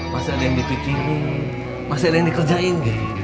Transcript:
masih ada yang dipikirin masih ada yang dikerjain